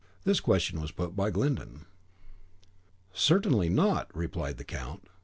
This question was put by Glyndon. "Certainly not," replied the count.